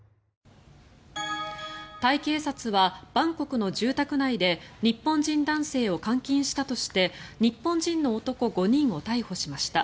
タイ警察はバンコクの住宅内で日本人男性を監禁したとして日本人の男５人を逮捕しました。